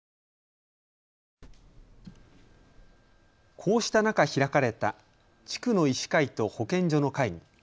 こうした中、開かれた地区の医師会と保健所の会議。